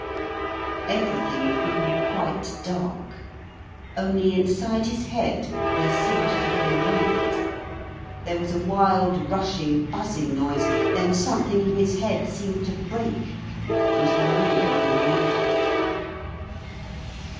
Everything grew quite dark, only inside his head there seemed to be a light. There was a wild, rushing, buzzing noise, then something in his head seemed to break and he knew no more.